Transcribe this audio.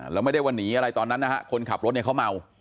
แล้วไม่ได้ว่าหนีอะไรตอนนั้นนะฮะคนขับรถเนี่ยเขาเมา